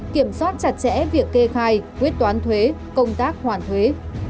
kiểm soát chặt chẽ việc kê khai quyết toán thuế công tác hoàn thuế